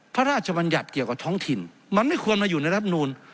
พระราชบัญญัติเกี่ยวกับท้องถิ่นมันไม่ควรมาอยู่ในรับนูล